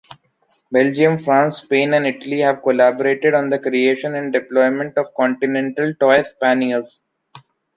Belgium, France, Spain and Italy have collaborated on the creation and development of Continental Toy Spaniels.